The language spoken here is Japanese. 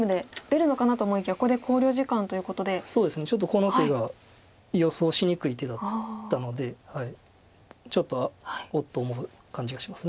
ちょっとこの手が予想しにくい手だったのでちょっと「おっ！」と思う感じがします。